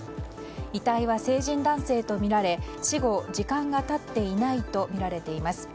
遺体は成人男性とみられ死後時間が経っていないとみられています。